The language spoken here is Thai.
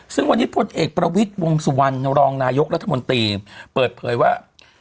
ซึ่งวันนี้พลเอกประวิทย์วงสุวรรณรองนายกรัฐมนตรีเปิดเผยว่า